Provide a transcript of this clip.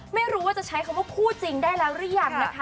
ไม่รู้จะใช้คำว่าคู่จริงได้แล้วรึยัง